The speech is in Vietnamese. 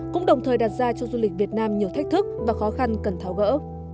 cũng đồng thời đặt ra cho du lịch việt nam nhiều thách thức và khó khăn cần tháo gỡ